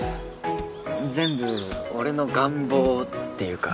全部俺の願望っていうか。